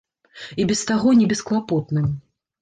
І без таго небесклапотным.